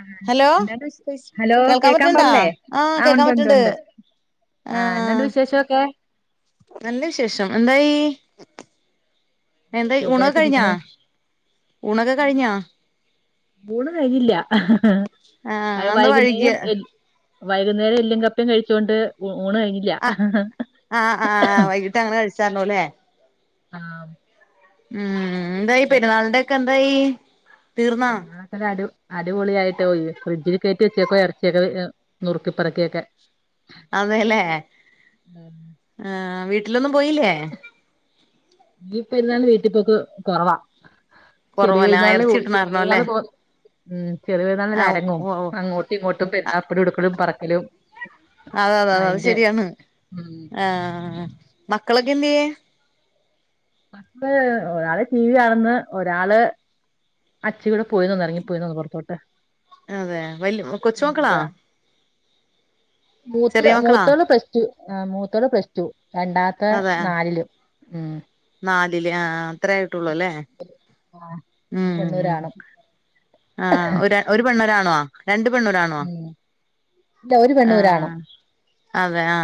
ആഹ് hello എന്താണ് വിശേ hello കേൾക്കാൻ കേക്കാൻ പറ്റണ്ടാ പാടില്ലേ ആഹ് കേക്കാൻ പറ്റണ്ട് ഒണ്ടൊണ്ടൊണ്ട് ആഹ് എന്നാണ്ട് വിശേഷവൊക്കെ നല്ല വിശേഷം എന്തായീ എന്തായി ഊണക്കെ കഴിഞ്ഞാ സുഖായിട്ടിരിക്കണു ഊണക്കെ കഴിഞ്ഞാ മൂണ് കഴിഞ്ഞില്ല അത് ആഹ് എന്താ വൈകിയ വൈകുന്നേരം എ വൈകുന്നേരം എല്ലും കപ്പയും കഴിച്ചോണ്ട് ഉ ഊണ് കഴിഞ്ഞില്ല ഇട്ടങ്ങന കഴിച്ചാലോല്ലേ ആഹ് ഉം എന്തായി പെരുന്നാളിന്റെ ഒക്കെ എന്തായി തീർന്നാ അ അടി അടിപൊളിയായിട്ട് ഫ്രിഡ്ജിൽ കേറ്റി വെചേക്കുവാ എറച്ചിയൊക്കെ നുർക്കി പെർക്കിയൊക്കെ അതേല്ലേ ഉം. ആഹ് വീട്ടിലൊന്നും പോയില്ലേ ഈ പെരുന്നാളിന് വീട്ടിപ്പോക്ക് കൊറവാ ചെറിയ കൊറവല്ലേ ആഹ് പരുന്നാളിന് ഇറച്ചി പോയി ചെറിയ കിട്ടണായിരുന്നോ അല്ലേ പെരുന്നാള് പോ ഉം ചെറിയ പെരുന്നാളിനല്ലേ ആഹ് അരങ്ങും ഓ ഓ അങ്ങോട്ടും ഇങ്ങോട്ടും പെരുന്നാപ്പടി എടുക്കലും പറക്കലും അത അതെ അത അത് അയിന്റെ ശെരിയാണ് ഉം ആഹ് മക്കളൊക്കെ എന്ത്യേ മക്കള് ഒരാള് ടി വി കാണ്ന്ന് ഒരാള് അച്ചി കൂടെ പോയിന്ന് ഒന്ന് ഇറങ്ങിപ്പോയിന്നൊന്ന് പുറത്തോട്ട് അതെ വലിയ കൊച്ചുമക്കളാണോ മൂ ചെറിയ മക്കളാ മൂത്തോള് പ്ലസ് ടു ആഹ് മൂത്തോള് പ്ലസ് ടു രണ്ടാ ഇപ്പ അതെ നാലിലും ഉം നാലില് ആഹ് അത്ര ആയിട്ടുള്ളൂ അല്ലേ ആഹ് ഒരു പെണ്ണും ഉം ഒരാണും ആഹ് ഒര് ഒരു പെണ്ണൊരാണോ രണ്ണ്ട് പെണ്ണും ഒരാണോ ഉം ഇല്ല ഒരു പെണ്ണും ഒരാണും ഏഹ് അതെ ആ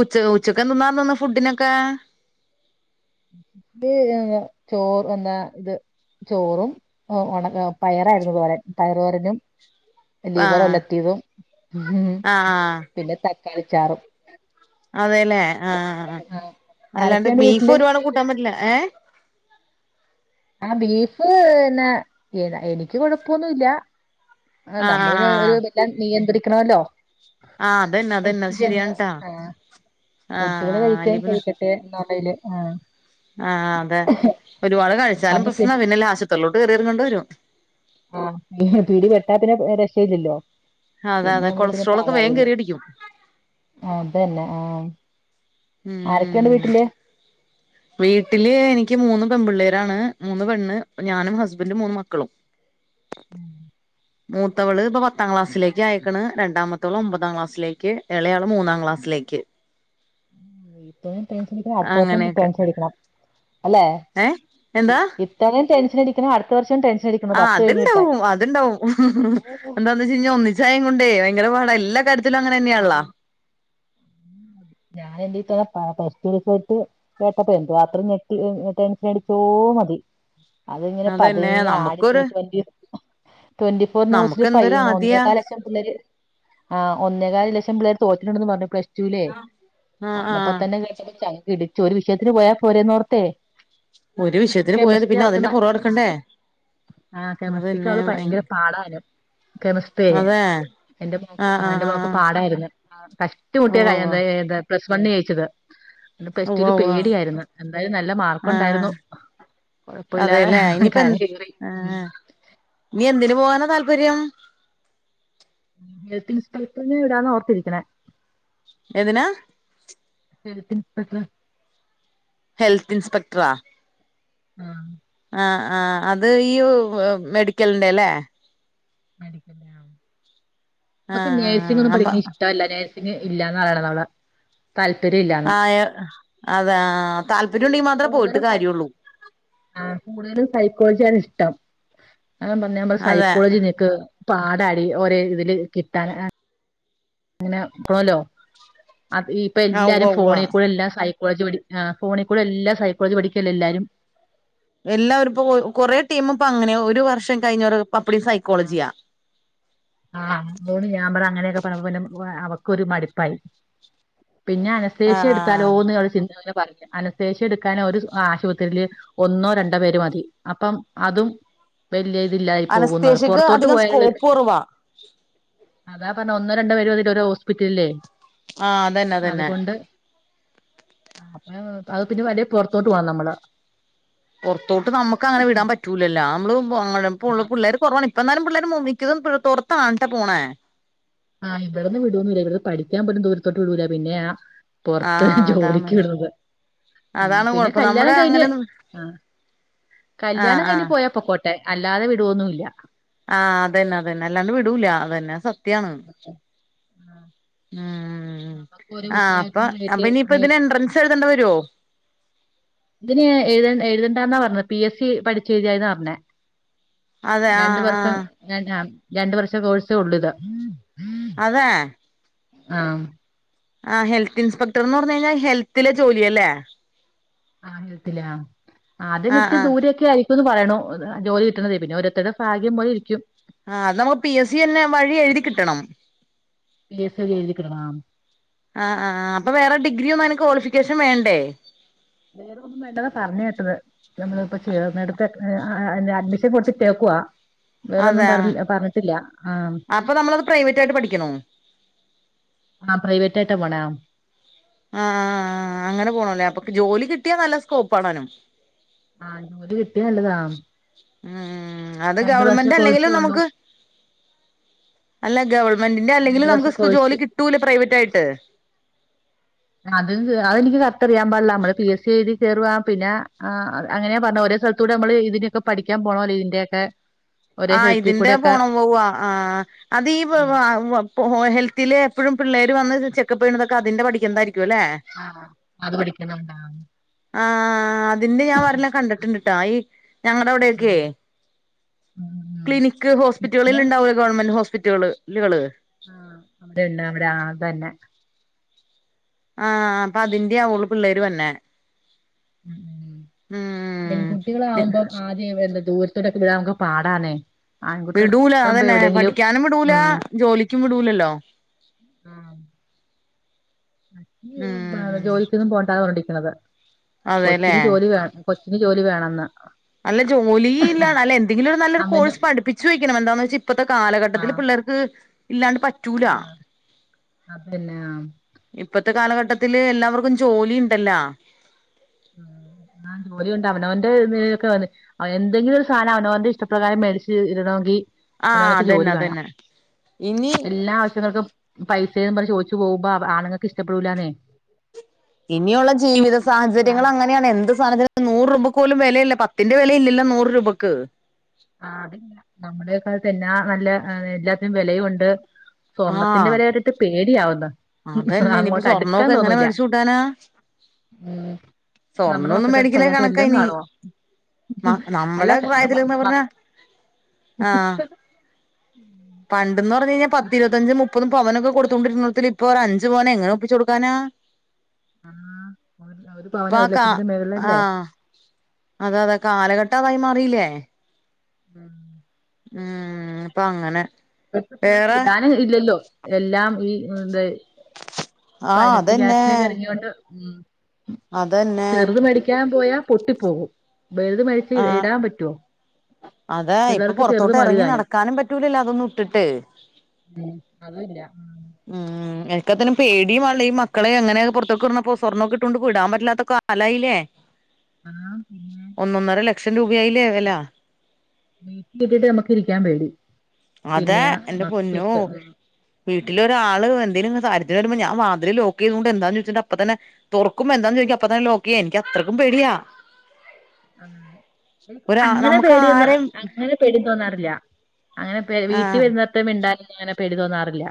ഉച്ച ഉച്ചക്ക്‌ എന്ത്ന്നാന്ന് ഫുഡിനൊക്കെ ഇത് ചോറ് എന്താ ഇത് ചോറും ഉണ പയറായിരുന്നു തോരൻ പയറ് തോരനും ആ ലിവർ ഒലത്തിയതും ആ പിന്നെ തക്കാളി ചാറും അതെല്ലേ ആഹ് ആഹ് അല്ലാണ്ട് ആരൊക്കെയുണ്ട് ബീഫ് വീട്ടില് ഒരുപാട് കൂട്ടാൻ പറ്റില്ല ഏഹ് ആഹ് ബീഫ് എന്ന ഏ എനിക്ക് കൊഴപ്പൊന്നുല്ല ആ നമ്മള് പിന് ഒരു വല്ലാം നിയന്ത്രിക്കണല്ലോ ആ അതന്നെ അതന്നെ അത് ഒത്തിരി അങ്ങ് ശരിയാണ്ട്ടാ ആഹ് ആ കൂട്ടികള് അല്ലെ കഴിക്കാൻ കഴിക്ക ട്ടെ എന്ന ഒള്ള ഇയില് ആഹ് അതെ ഒരുപാട് കഴിച്ചാലും അന്ന് പി പ്രശ്നാ പിന്നെല്ലാം ആശുപത്രിയിലോട്ട് കയറി എറങ്ങേണ്ടി വരും ആഹ് പിടി പെട്ടാ പിന്നെ രക്ഷയില്ലല്ലോ അതെ പിന്നെ അതെ നമ്മള് പിന്നെ കൊളസ്ട്രോൾ ഒക്കെ വേഗം പാലാവൂല്ലേ കേറി അടിക്കും അതന്നെ ആഹ ആരൊക്കെണ്ട് ഉം വീട്ടില് വീട്ടില് എനിക്ക് മൂന്ന് പെൺപിള്ളേരാണ് മൂന്ന് പെണ്ണ് ഞാനും ഹസ്ബന്റും മൂന്ന് മക്കളും ഉം മൂത്തവള് ഇപ്പ പത്താം ക്ലാസ്സിലേക്ക് ആയെക്കണ് രണ്ടാമത്തവള് ഒമ്പതാം ക്ലാസിലേക്ക് ഇളയാള് മൂന്നാം ക്ലാസ്സിലേക്ക് അങ്ങനെയൊക്കെ [unintelligible] അടിക്കണം അല്ലെ ഏ എന്താ ടെൻഷനടിക്കണം അടുത്ത വർഷം ടെൻഷനടി ആഹ് അത്ണ്ടാവും അതുണ്ടാവും എന്താന്ന് വെച്ച കഴിഞ്ഞാൽ ഒന്നിച്ചായ കൊണ്ടേ ഭയങ്കര പാട എല്ലാ കാര്യത്തിലും അങ്ങനെ തന്നെയാണല്ലോ ഞാൻ എന്റെ തന്ന പ പ്ലസ് ടു റിസൾട്ട്‌ കേട്ടപ്പ എന്തുവാത്രം ഞെട്ടി ടെൻഷനടിച്ചോ മതി അത്ങ്ങനെ അതന്നെ പതുങ്ങിയ ആടി നമുക്കൊരു [unintelligible] ട്വന്റി ട്വന്റി ഫോർ നമുക്ക് ന്യൂസില് പൈ എന്തൊരു ആദിയാ ഒന്നേക്കാല് ലക്ഷം പിള്ളേര് ആഹ് ഒന്നേകാല് ലക്ഷം പിള്ളേര് തോറ്റ്ട്ടുണ്ടന്ന് പറഞ്ഞു പ്ല ടു ല് ആ ആ അന്നപ്പോ തന്നെ കേട്ടപ്പ ചങ്ക് ഇടിച്ചു ഒരു വിഷയത്തിന് പോയാ പോരേ എന്നോർത്തേ ഒരു വിഷയത്തിന് പോയതി പിന്നെ അതിന്റെ പുറകേ നടക്കണ്ടേ ആഹ കെമിസ്ട്രിക്ക്‌ അതന്നെ അത്‌ ഭയങ്കര പാടാന് അതേ എന്റെ മോക്ക് എന്റെ മോക്ക് പാടായിരുന്നു കഷ്ടിമുട്ടിയ ഉവ്വ [unintelligible] ഉവ്വ ഏന്താ പ്ലസ് വണ് ജയിച്ചത് പ്ലസ് ടൂ ഉവ്വ ല് ഉവ്വ പേടിയായിരുന്നു എന്തായാലും നല്ല ആഹ് മാർക്കുണ്ടായിരുന്നു കൊഴപ്പമില്ലാതെ അതെല്ലേ ഇനിയിപ്പ എ കര കേറി ആഹ് ഇനി എന്തിന് പോകാനാ താല്പര്യം ഹെൽത്ത്‌ ഇൻസ്‌പെക്ടർന് വിടാന്ന് ഓർത്തിരിക്കണേ ഏതിനാ ഹെൽത്ത് ഇൻസ്‌പെക്ടറാ ഹെൽത്ത് ഇൻസ്പെക്ടറാ? ആഹ് ആഹ് ആഹ് അത് ഈ മെഡിക്കലിന്റെ ലേ മെഡിക്കൽ ആഹ് അവക്ക്‌ ആഹ് ആഹ് നേഴ്സിംങ്ങൊന്നും അപ്പ പഠിക്ക്‌ണ ഇഷ്ട്ട അല്ല നെ ഴ്സിങ് ഇല്ലാന്നാ പറിണതവള് താല്പര്യ ഇല്ല ആഹ് ഏ അതാ താല്പര്യം ഉണ്ടെങ്കി മാത്രേ പോയിട്ട് കാര്യള്ളൂ ആഹ് കൂടുതലും സൈക്കോളജ്യാണ് ഇഷ്ടം ഞാൻ പറഞ്ഞ് അതെ സൈക്കോളജി നിനക്ക് പാടാടീ ഒരേ ഇതില് കിട്ടാന് അ അങ്ങനെ [unintelligible] അത് ഇപ്പൊ ആഹ് ഉവ്വ എല്ലാരും ഉവ്വ ഫോണി കൂടെല്ലാ സൈ ക്കോളജി പഠിക്കാ ഫോണികൂടെ എല്ലാ സൈക്കോളജി പഠിക്കല് എല്ലാരും. എല്ലാവരും ഇപ്പോ കൊറേ ടീമ് ഇപ്പൊ അങ്ങനെ ഒരു വർഷം കഴിഞ്ഞവര് അപ്പടി ആഹ് സൈക്കോളജ്യ ആഹ് മോള് ഞാൻ പറ അങ്ങനെയൊക്കെ പറഞ്ഞപ്പൊ പിന്നെ അവള്ക്കൊരു മട്പ്പായി പിന്നെ അനസ്ഥേഷ്യ ആഹ് ഇട്ത്താലോന്നൊര് ചിന്ത പറഞ്ഞു അനസ്ഥേഷ്യ എട്ക്കാന് ഒരു ആശുപത്രില് ഒന്നോ രണ്ടോ പേര് മതി അപ്പം അതും വല്ല്യ ഇതില്ലായി പോകുന്ന് പറ അനസ്തേഷ്യക്ക് പൊറത്തോട്ട് അധികം പോയള് സ്കോപ്പ് കുറവാ അതാ പറഞ്ഞ ഒന്നോ രണ്ടോ പേര് മതിലേ ഒര് ഹോസ്പിറ്റലില് ആഹ് അതന്നെ അതന്നെ അത്കൊണ്ട് അപ്പൊ ഞാ അത് പിന്നെ വലിയ പൊറത്തോട്ട് പോവണം നമ്മള് പൊറത്തോട്ട് നമ്മക്ക്‌ങ്ങനെ വിടാ പ റ്റൂലല്ലോ നമ്മള് [unintelligible] പുള്ള് പുള്ളേര് കൊറവാണ് ഇപ്പന്നാലും പിള്ളേര് മു മിക്കതും പൊറത്താണ്ട്ടോ പോണേ ആഹ് ഇവിടന്ന് വിടൊന്നുല്ല ഇവിടെന്ന് പഠിക്കാൻ പോലും ദൂരത്തോട്ട് വിടൂല പിന്നെയാ പൊറത്ത് ആഹ് അതാണ് ജോലിക്ക് വിടുന്നത് ഉം അതാണ് പിന്നെ കൊഴപ്പം നമ്മുടെ കല്യാണം കഴിഞ്ഞ് അങ്ങനെന്നും ആഹ് ആഹ് കല്യാണം കഴിഞ്ഞ് ആഹ് പോയ പൊക്കോട്ടെ അല്ലാതെ വിടുവോന്നുല്ല. ആഹ് അതന്നെ അതന്നെ അല്ലാണ്ട് വിടൂല അതന്നെ സത്യാണ്. മ്മ് നമുക്ക് ഓരോ ആഹ് അപ്പൊ ഉത്തരവാദിത്തങ്ങൾ അപ്പൊ ഏറ്റ് ഇനിയിപ്പ ഏ ഇതിന് എൻട്രൻസ് സെഴ്തേണ്ട വെരോ ഇതിന് എഴ്ത എഴ്തണ്ടന്നാ പറഞ്ഞെ പി എസ് സി പഠിച്ച് എഴ്തിയാതിന്നാ പറഞ്ഞെ അതെ രണ്ട് ആഹ് വർഷം ആഹ് ആഹ് രണ്ട് വർഷം കോഴ്സെ ഒള്ളുത്. അതെ ആഹ് ആഹ് ഹെൽത്ത്‌ ഇൻസ്പെക്ടറ്ന്ന് പറഞ്ഞ് കഴിഞ്ഞാ ഹെൽത്തിലെ ജോലി അല്ലേ ആഹ് ഹെത്തിലെ ആഹ് ആദ്യം ആഹ് ജസ്റ്റ്‌ ആഹ് ദൂരെയോക്കെ ആയി ക്കുന്ന് പറിണു ജോലി കിട്ട്ണതേ പിന്നെ ഒരോരുത്തര്ടെ ഭാഗ്യം പോലെയിരിക്കും. ആഹ് അത് നമ്മുക് പിഎസ്സിയെന്നെ വഴി എഴ്തി കിട്ടണം. പിഎസിയൊക്കെ എഴ്തി കിട്ടണം ആഹ് ആഹ് ആഹ് അപ്പ വേറെ ഡിഗ്രിയൊന്നും അയിന് ക്വാളിഫിക്കേഷൻ വേണ്ടേ? വേറൊന്നും വേണ്ടാന്നാ പറഞ്ഞ് കേട്ടത്. നമ്മളിപ്പ ചെറ്ന്നേടത്ത്ന്നെ അഡ്മിഷൻ കൊട്ത്തിട്ടേക്കുവാ. വേറൊന്നും പറ പറഞ്ഞിട്ടില്ല ആഹ് അപ്പ നമ്മളത് പ്രൈവറ്റായിട്ട് പഠിക്കണോ? ആഹ് പ്രൈവറ്റായിട്ടാ പോണേ ആഹ് ആഹ് ആഹ് അങ്ങനെ പോണലേ അപ്പൊ ജോലി കിട്ടിയാ നല്ല സ്കോപ്പാണാനും. ആഹ് ജോലി കിട്ടിയ നല്ലതാ ഉം അത് രണ്ട് വർഷ ഗവൺമെന്റ് കോഴ്സേ അല്ലെങ്കിലും ഉള്ളൂ നമുക്ക് അല്ല ഗവൺമെന്റിന്റെ രണ്ട് അല്ലെങ്കിലും വർഷ നമുക്ക് കോഴ്സ് ജോലി കിട്ടൂല പ്രൈവറ്റായിട്ട് അത് അത് എനിക്ക് കറക്റ്റ് അറിയാ പാടില്ല നമ്മള് പി എസ് സി എഴ്തി കേറുവാ പിന്നെ അങ്ങനെ പറ്ഞ്ഞെ ഒരേ സ്ഥല ത്തൂടെ നമ്മള് ഇതിനൊക്കെ പഠിക്കാൻ പോണോല്ലോ ഇതിന്റെ ഒക്കെ ആഹ് ഇതിന്റെ പോണം പോവവാ ആഹ് അത് ഈ ഉം [unintelligible] ഹോ ഹെൽത്തിലെ എപ്പഴും പിള്ളേര് വന്ന് ചെക്കപ്പെയ്ണതൊക്കെ അതിന്റെ പഠിക്ക്‌ന്നതായിരിക്കും ലേ ആഹ് അത് പഠിക്കന്നുണ്ടാ ആഹ് അതിന്റെ ഞാൻ ഒരെണ്ണം കണ്ടിട്ടിണ്ട്ട്ടാ ഈ ഞങ്ങൾടെ അവിടെക്കെ ഉം ഉം ഉം ക്ലിനിക്ക് കിട്ടിയ ഹോസ്പിറ്റലുകളിൽ ഉണ്ടാവുല്ലേ ഗവൺമെന്റ് ഹോസ്പിറ്റൾ ല്കള് ആഹ് അടെയൂണ്ട് അവിരെ ആ അതന്നെ ആഹ് അപ്പൊ അതിന്റെയാവും ഓള് പിള്ളേര് തന്നെ ഉം പെൺകുട്ടികളാവുംമ്പം ആദ്യം എവന്ത് ദൂരത്തോടൊക്കെ വിടാ പാടാലെ വിടൂല അതന്നെ പഠിക്കാനും വിടൂലാ ഉം ജോലിക്കും വിടൂലല്ലോ പാ ഉം ജോലിക്കൊന്നും പോണ്ടാ ന്നാ പർ ഞ്ഞോണ്ടിരിക്ക്ണത് കൊച്ചിന് അതെല്ലേ ജോലി വേ കൊച്ചിന് ജോലി വേണംന്ന് അല്ല ജോലി ഇല്ലാ അല്ല എന്തെങ്കിലും ഒരു നല്ലൊരു അവനും കോഴ്സ് പഠിപ്പിച്ച് വെക്കണം എന്താന്ന് വെച്ചാ ഇ ഇപ്പത്തെ കാലഘട്ടത്തിൽ ആഹ് പിള്ളേർക്ക് ഇല്ലാണ്ട് പ ആഹ് അതന്നെ ആഹ് ഇപ്പത്തെ കാലഘട്ടത്തില് എല്ലാവർക്കും ജോലി ണ്ടല്ലാ [inaudible] ആ ജോലി ഉണ്ട് അവനവന്റെ നിലയിലൊക്കെ വന്നു അ എന്തെങ്കിലും ഒരു സാധനം അവനോന്റെ ഇഷ്ടപ്രകാരം മേടിച്ച് ഇടണോങ്കി ആഹ് അവനവൻക്ക് ജോലി അതന്നെ വേണം. അതന്നെ ഇനി എല്ലാ ആവശ്യങ്ങൾക്കും പൈസേ പറഞ് ചോയ്ച്ചു പോകുമ്പോ ആണുങ്ങക്ക് ഇഷ്ടപ്പെടൂലാന്നെ ഇനിയുള്ള ജീവിത സാഹചര്യങ്ങൾ അതാണ് അങ്ങനെയാണ് എന്ത് സാനത്തി നൂറ് രൂപക്കോലും വെലല്ല. പത്തിന്റെ വെലയില്ലല്ലോ നൂറ് രൂപയ്ക്ക് ആഹ് അതില്ല നമ്മുടെ കാലത്ത് എന്നാ നല്ല എല്ലാത്തിനും വെലയുണ്ട് സ്വർണ്ണത്തിന്റെ ആഹ് വില കേട്ടിട്ട് പേടിയാവുന്ന് അതന്നെ ഇനിയിപ്പോ അങ്ങോട്ട് അടുക്കാൻ സ്വർണ്ണൊക്കെ എങ്ങനെ തോന്നൂല്ല മേടിച്ചുട്ടാനാ ഉം നമ്മുടെ സ്വർണൊന്നും മക്കൾക്കൊക്കെ മേടിക്കിന കയ്യിനാത്ത് കണക്ക വല്ലോം ഇനി കാണുവോ ന്ന അല്ല നമ്മടെ ക- പ്രായത്തില് മ- ന്ന് മ- പർഞ്ഞാ ആഹ് പണ്ട്ന്ന് പറഞ്ഞ് കഴിഞ്ഞാ പത്തിരുപത്തഞ്ച് മുപ്പ പ്പതും പവനൊക്കെ കൊടുത്തോണ്ടിരുന്നതിൽ ഇപ്പൊ ഒരു അഞ്ച് പവനെങ്ങനെ ഒപ്പിച്ചൊട്ക്കാനാ ആ, ഒരു ഒരു പവന് ഒരു പക്ക ലക്ഷത്തിന്റെ മേളിലല്ലേ ആഹ അതെ അതെ കാലഘട്ടം അതായി മാറിയില്ലേ മം ഉം ഇപ്പൊ അങ്ങനെ വേറെ [unintelligible] ഇല്ലല്ലോ എല്ലാം ഈ ന്തെ ആഹ് പയിനെട്ട് അതന്നെ ക്യാരറ്റിനൊ ക്കെ എർങ്ങിയോണ്ട് ഉ അതന്നെ ചെറുത് മേടിക്കാൻ പോയാ പൊട്ടിപ്പോകും ബലുത് മേടിച്ച് ആഹ് ഇടാൻ പറ്റുവോ? അതാ ഇപ്പൊ പിള്ളേർക്ക് ചെറുത് പൊറത്തോട്ട് എറങ്ങി മതിതാനും നടക്കാനും പറ്റൂലല്ലോ അതൊന്നും ഇട്ടിട്ട് ഉം അത് ല്ല ഉം എനക്കതിനു പേടിയും മാണല്ലോ ഈ മക്കളെ എങ്ങനെ പൊർത്ക് ട്ണ പോ സ്വർണൊക്കെ ഇട്ടൊണ്ട് വിടാൻ പറ്റ്ല്ലാത്ത ക്കാല കാലായില്ലേ ആഹ് പിന്നെ ഒന്നൊന്നര ലക്ഷം രൂപയായില്ലേ വെല വീട്ടിലിട്ടിട്ട് നമ്മക്ക് ഇരിക്കാൻ പേടി അതെ പിന്നെയാ എന്റെ പൊന്നോ മക്കൾക്ക് വീട്ടിലൊരാള് എന്തോനങ്ങ് കാര്യത്തിനു വരുമ്പോ ഞാൻ വാതില് ലോക്ക് ചെയ്തോണ്ട് ന്താന്ന് ചോയ്ച്ചിട്ട് അപ്പ തന്നെ തൊർക്കുമ്പോ എന്താന്ന് ചോദിക്കും അപ്പ തന്നെ ലോക്കെയ്യും എനിക്ക് അത്രയ്ക്കും പേടിയാ എനിക്കൊന്നും ഒരാ അങനെ നമുക്ക് പേടിയൊന്നും ആരേം അങ്ങനെ പേടി തോന്നാറില്ല അങ്ങനെ വീട്ടിൽ ആഹ് വെർന്നോർത്ത് മിണ്ടാൻ അങ്ങനെ പേടി തോന്നാറില്ല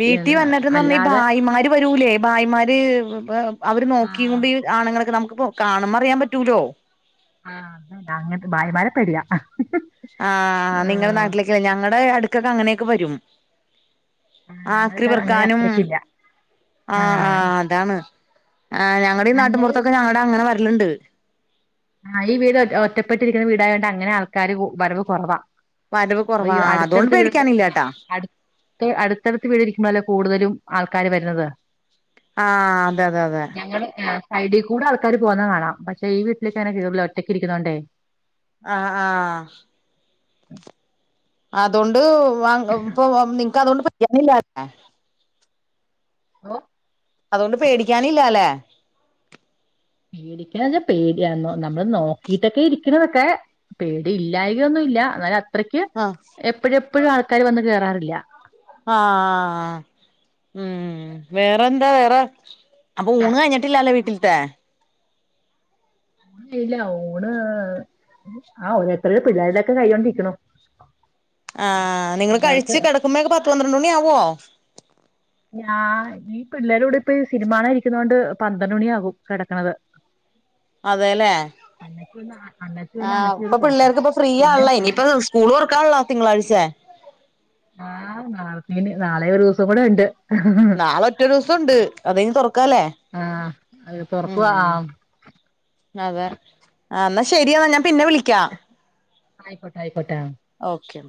വീട്ടിൽ വന്നിട്ടന്ന് അല്ലാതെ ഭായിമാര് വരൂലേ ഭായിമാര് അവര് നോക്കി ആഹ് കൊണ്ട് ആണുങ്ങളൊക്കെ നമുക്ക്പ്പോ കാണമ്പോറിയാൻ പറ്റൂലോ ആഹ് അ അങ്ങ ഭായ്മാരെ പേടിയ ആഹ് നിങ്ങളുടെ നാട്ടിലേക്കല്ലേ ഞങ്ങളടെ അടുക്കൊക്കെ അങ്ങനെയൊക്കെ വരും ആ ആക്രി ഞങ്ങളിവിടെ അങ്ങനെ പെറുക്കാനും അത്രക്കില്ല ആ ആഹ് ആഹ് അതാണ് ആ ഞങ്ങള ഈ ഞങ്ങള് നാട്ടുമ്പുറത്തൊക്കെ ഞങ്ങടെ അങ്ങനെ വരല്ണ്ട് ആഹ് ഈ വീട് ഒറ്റപ്പെട്ടിരിക്കുന്ന വീടായോണ്ട് അങ്ങനെ ആൾക്കാര് വരവ് കൊറവാ. വരവ് കുറവാ അയ്യോ അതുകൊണ്ട് അടുത്തടുത്ത് വീടുണ്ട് പേടിക്കാനില്ലാട്ടാ അഹ് അടു- അടുത്തടുത്ത് വീട് ഇരിക്കമ്പളല്ലെ കൂടുതലും ആൾക്കാര് വരുന്നത്. ആഹ് അതെ അതെ അതെ എങ്ങനെ എങ്ങനെ സൈഡി കൂടെ ആൾക്കാർ പോകുന്ന കാണാം പക്ഷെ ഈ വീട്ടിലേക്ക് അങ്ങനെ കേറില്ല ഒറ്റക്ക് ഇരിക്കുന്നോണ്ടേ. ആഹ് ആഹ് അതൊണ്ട് [unintelligible] ഇപ്പൊ നിങ്ങക്ക് അതൊണ്ട് പഠിക്കാനി [unintelligible] എന്തോ അതുകൊണ്ട് പേടിക്കാനില്ലാ ല്ലെ പേടിക്ക്ണത് പേട്യാന്നൊ നമ്മള് നോക്കിട്ടൊക്കെ ഇരിക്ക്ണതൊക്കെ പേടി ഇല്ലായികയൊന്നുല്ല. എന്നാല് അത്രയ്ക്ക് ആഹ് എപ്പഴെപ്പോഴും ആൾക്കാര് വന്ന് കേയറാറില്ല. ആഹ് ഉം വേറെന്താ വേറെ അപ്പൊ ഊണ് കഴഞ്ഞിട്ടില്ലാല്ലെ വീട്ടിൽ ത്തെ ഇല്ല ഊണ് ആ ഓരോരുത്തരെ പിള്ളേരുടെക്കെ കൈയോണ്ടിരിക്ക്ണു. ആ നിങ്ങള് കഴിച്ച് കടക്കുമ്പഴെക്കെ പത്ത് പന്ത്രണ്ട് മണി ആവോ ഞാൻ ഈ പിള്ളേര കൂടെ ഇപ്പൊ ഈ സിനിമാ കാണാൻ ഇരിക്കുന്നത് കൊണ്ട് പന്ത്രണ്ട് മണിയാകും കിടക്കണത്. [inaudible] അതേല്ലേ അമ്മച്ചി വന്ന് അമ്മച്ചി ആ വന്ന് അമ്മച്ചി കേറി ഇപ്പൊ കെടക്കും. പിള്ളേർക്ക്പ്പ പിന്നെ ഫ്രീയാണല്ലെ പിള്ളേര് ഇനിപ്പ സ്കൂളും തുറക്കാണ്ള്ള തിങ്കാഴ്ച്ചെ ആ നാളത്തീല് നാളെ ഒരൂസം കൂടെ ഇണ്ട്. നാളെ ഒറ്റ ദിവസം ഉണ്ട് അത് കഴിഞ്ഞു തുറക്കാലെ. ആഹ് അ തുറക്ക്പാ ആഹ് അതെ എന്നാ ശരിയെന്നാ ഞാൻ പിന്നെ വിളിക്കാ. ആയിക്കോട്ടെ ആയിക്കോട്ടാ ഓക്കെ